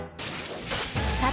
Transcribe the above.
さて